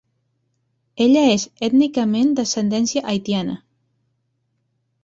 Ella és ètnicament d'ascendència haitiana.